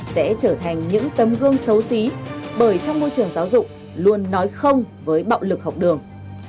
sẽ trở thành những tấm gương xấu xí bởi trong môi trường giáo dục luôn nói không với bạo lực học đường